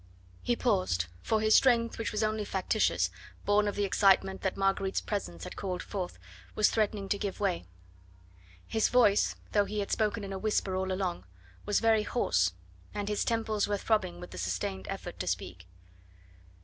He paused, for his strength, which was only factitious, born of the excitement that Marguerite's presence had called forth, was threatening to give way. His voice, though he had spoken in a whisper all along, was very hoarse, and his temples were throbbing with the sustained effort to speak.